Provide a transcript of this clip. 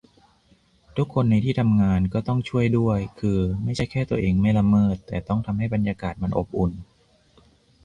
ทุกคนในที่ทำงานก็ต้องช่วยด้วย คือไม่ใช่แค่ตัวเองไม่ละเมิด แต่ต้องทำให้บรรยากาศมันอุ่นใจ